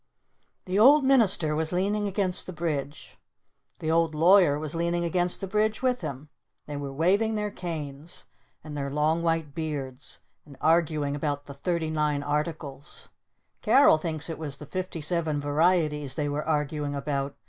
The Old Minister was leaning against the Bridge. The Old Lawyer was leaning against the Bridge with him. They were waving their canes. And their long white beards. And arguing about the "Thirty Nine Articles." Carol thinks it was the "Fifty Seven Varieties" they were arguing about.